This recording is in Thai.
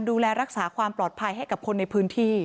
ดูแลรักษาความปลอดภัยให้กับคนในพื้นที่